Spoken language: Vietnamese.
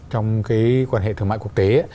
trong quan hệ thương mại quốc tế